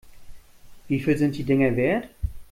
Wie viel sind die Dinger wert?